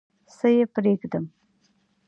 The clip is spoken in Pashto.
څه یې پرېږدم؟